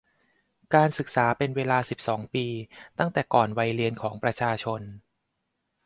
การศึกษาเป็นเวลาสิบสองปี ตั้งแต่ก่อนวัยเรียนของประชาชน